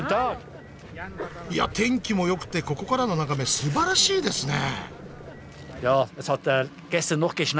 天気もよくてここからの眺めすばらしいですね！